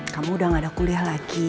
kamu udah gak ada kuliah lagi